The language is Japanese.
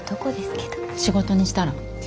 仕事にしたら？